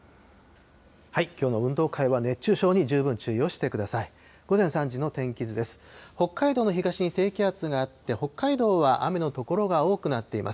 きょうの運動会は熱中症に十分注意をしてください。